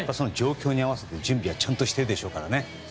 状況に合わせて準備はちゃんとしてるでしょうから。